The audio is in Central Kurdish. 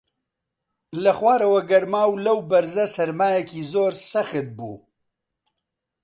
لە خوارەوە گەرما و لەو بەرزە سەرمایەکی زۆر سەخت بوو